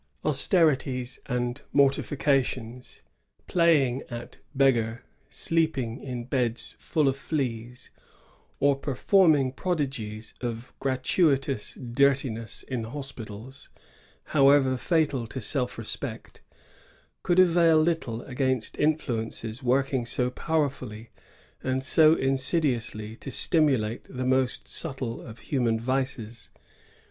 Austerities and mortifications, playing at beggar, sleeping in beds full of fleas, or performing prodigies of gratuitous dirtiness in hospitals, how ever &tal to self respect, ccfuld avail littie against influences working so powerfully and so insidiously to stimulate the most subtle of human vices.